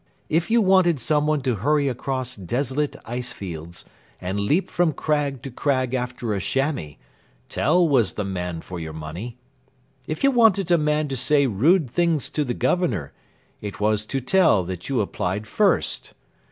If you wanted someone to hurry across desolate ice fields, and leap from crag to crag after a chamois, Tell was the man for your money. If you wanted a man to say rude things to the Governor, it was to Tell that you applied first.